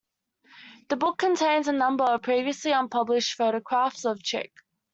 The book contains a number of previously unpublished photographs of Chick.